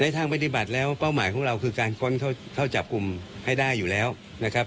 ทางปฏิบัติแล้วเป้าหมายของเราคือการค้นเข้าจับกลุ่มให้ได้อยู่แล้วนะครับ